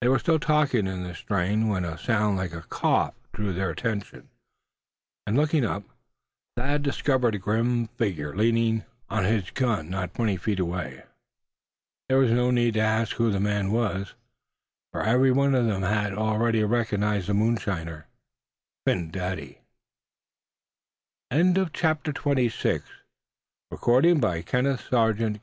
They were still talking in this strain when a sound like a cough drew their attention, and looking up, Thad discovered a grim figure leaning on his gun not twenty feet away. There was no need to ask who the man was, for every one of them had already recognized the moonshiner, Phin Dady! CHAPTER XXVII. BUMPUS CALLS FOR THREE CHEERS.